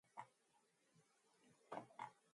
Бие хаа нь өөр болсон ч гэж нөхцөлгүй бололтой.